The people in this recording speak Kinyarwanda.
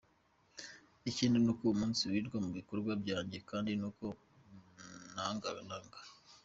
Ikindi ni uko umunsi wiriwe mu bikorwa byanjye kandi n’uko nanganaga.